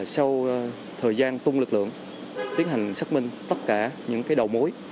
sau thời gian tung lực lượng tiến hành xác minh tất cả những đầu mối